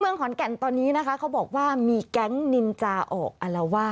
เมืองขอนแก่นตอนนี้นะคะเขาบอกว่ามีแก๊งนินจาออกอารวาส